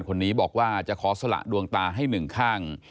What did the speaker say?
คนนี้บอกว่าจะขอสละดวงตาให้หนึ่งข้าง